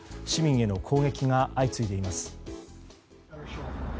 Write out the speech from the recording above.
市民への攻撃が相次いでいます。